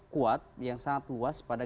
kuat yang sangat luas pada